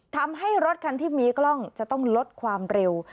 ทำให้รถคันที่มีกล้องจะต้องลดความเร็ว